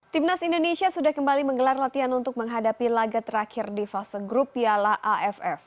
timnas indonesia sudah kembali menggelar latihan untuk menghadapi laga terakhir di fase grup piala aff